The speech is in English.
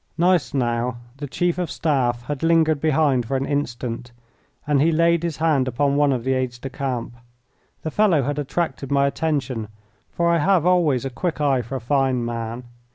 Gneisenau, the Chief of the Staff, had lingered behind for an instant, and he laid his hand upon one of the aides de camp. The fellow had attracted my attention, for I have always a quick eye for a fine man.